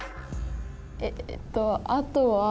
えっとあとは。